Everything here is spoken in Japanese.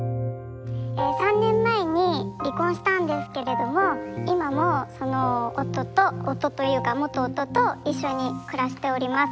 ３年前に離婚したんですけれども今もその夫と夫というか元夫と一緒に暮らしております。